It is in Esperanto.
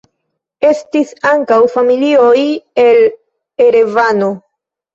Estis ankaŭ familioj el Erevano.